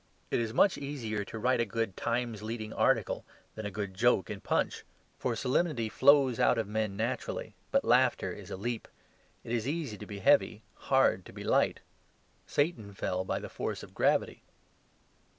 It is much easier to write a good TIMES leading article than a good joke in PUNCH. For solemnity flows out of men naturally; but laughter is a leap. It is easy to be heavy: hard to be light. Satan fell by the force of gravity.